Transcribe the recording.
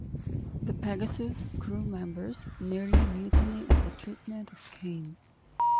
The "Pegasus" crew members nearly mutiny at the treatment of Cain.